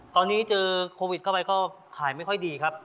ตอนนี้เจอโควิดเข้าไปก็ขายไม่ค่อยดีครับ